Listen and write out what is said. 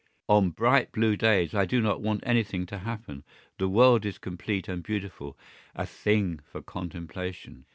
On bright blue days I do not want anything to happen; the world is complete and beautiful, a thing for contemplation.